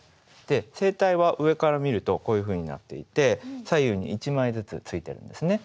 声帯は上から見るとこういうふうになっていて左右に一枚ずつついてるんですね。